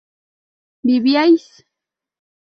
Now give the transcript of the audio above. ¿vivíais?